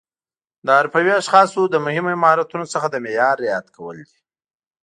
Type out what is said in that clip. د حرفوي اشخاصو له مهمو مهارتونو څخه د معیار رعایت کول دي.